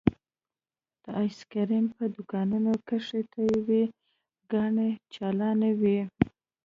د ايسکريم په دوکانونو کښې ټي وي ګانې چالانې وې.